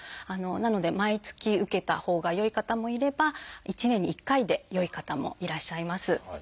なので毎月受けたほうがよい方もいれば１年に１回でよい方もいらっしゃいます。